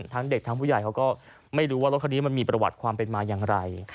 ทั้งเด็กทั้งผู้ใหญ่เขาก็ไม่รู้ว่ารถคันนี้มันมีประวัติความเป็นมาอย่างไร